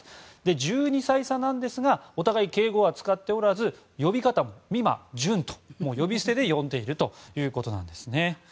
１２歳差なんですがお互い敬語は使っておらず呼び方も、美誠、隼と呼び捨てで呼んでいるということなんです。